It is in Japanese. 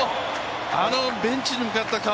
あのベンチに向かった顔。